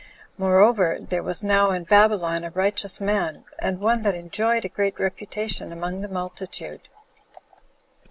Moreover, there was now in Babylon a righteous man, and one that enjoyed a great reputation among the multitude.